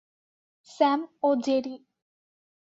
Sam, ও Jerry.